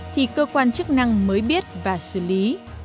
thì cơ quan chức năng mới biết và xử lý